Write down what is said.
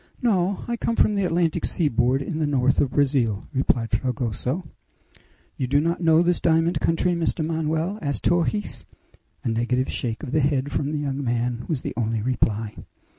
"No! I come from the Atlantic seaboard in the north of Brazil," replied Fragoso. "You do not know this diamond country, Mr. Manoel?" asked Torres. A negative shake of the head from the young man was the only reply.